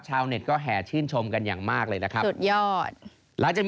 ชาวเน็ตก็แห่ชื่นชมกันอย่างมากเลยนะครับ